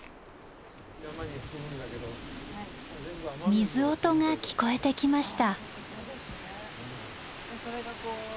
水音が聞こえてきました。